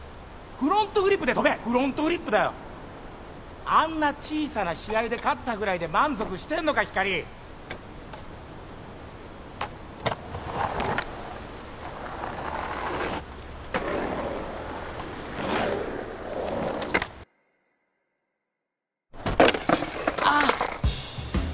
フロントフリップで飛べフロントフリップだよあんな小さな試合で勝ったぐらいで満足してんのかひかりああ！